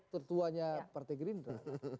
tertuanya partai gerinda